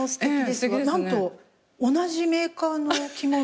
何と同じメーカーの着物。